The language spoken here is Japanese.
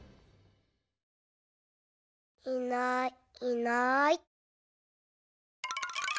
いないいない。